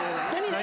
何？